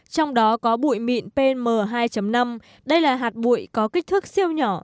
trong đó có bụi mịn pm hai năm đây là hạt bụi có kích thước siêu nhỏ